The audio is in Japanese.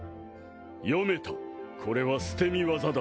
読めたこれは捨て身技だ。